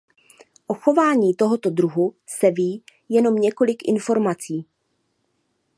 O chování tohoto druhu se ví jenom několik informací.